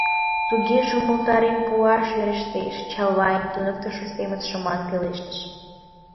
— Тугеже умылтарен пуаш верештеш, — Чавайн туныктышо семын шыман пелештыш.